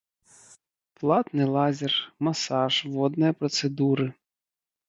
Платны лазер, масаж, водныя працэдуры.